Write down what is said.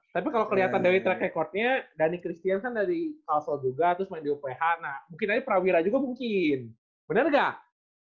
tapi kalo keliatan dari track recordnya dhani kristiansen udah di falso juga terus main di uph nah mungkin aja prawira juga mungkin bener gak